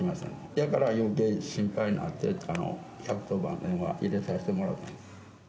だからよけい心配になって、１１０番電話入れさせてもらった。